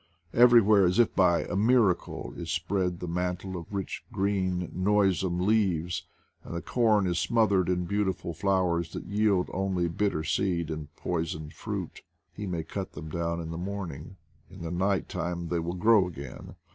Everywhere, as if by a miracle, is spread the mantle of rich, green, noisome leaves, and the corn is smothered in beautiful flowers that yield only bitter seed and poison fruit. He may cut them THE WAE WITH NATURE 89 down in the morning, in the night time they will grow again.